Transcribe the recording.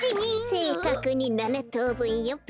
せいかくに７とうぶんよべ。